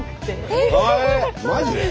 えマジで！